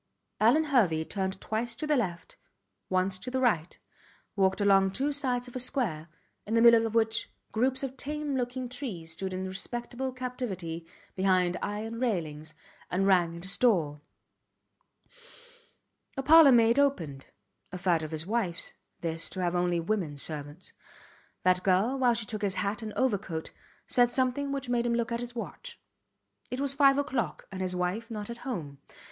Alvan Hervey turned twice to the left, once to the right, walked along two sides of a square, in the middle of which groups of tame looking trees stood in respectable captivity behind iron railings, and rang at his door. A parlour maid opened. A fad of his wifes, this, to have only women servants. That girl, while she took his hat and overcoat, said something which made him look at his watch. It was five oclock, and his wife not at home.